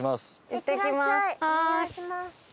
お願いします。